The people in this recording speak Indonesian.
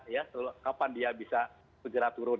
ya kapan dia bisa segera turun